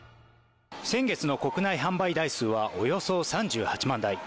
先月の国内販売台数はおよそ３８万台。